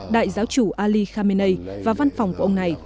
đại giáo chủ ali khamenei và văn phòng của ông này